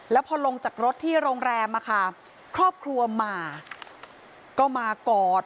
แล้วพอลงจากรถที่โรงแรมครอบครัวมาก็มากอด